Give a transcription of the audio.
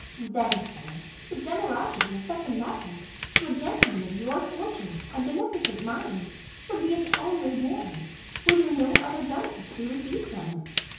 Then, Sir, the generosity of such a method, to a gentleman of your fortune, and beneficent mind, would be its own reward, were there no other benefit to be received from it.